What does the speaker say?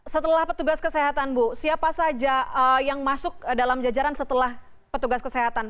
setelah petugas kesehatan bu siapa saja yang masuk dalam jajaran setelah petugas kesehatan